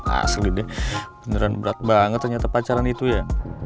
asli deh beneran berat banget ternyata pacaran itu ya